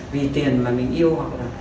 vì tiền mà mình yêu hoặc là